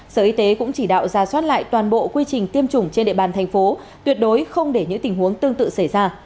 sở y tế cũng chỉ đạo ra soát lại toàn bộ quy trình tiêm chủng trên địa bàn thành phố tuyệt đối không để những tình huống tương tự xảy ra